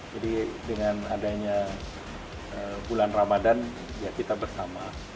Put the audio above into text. jadi dengan adanya bulan ramadhan ya kita bersama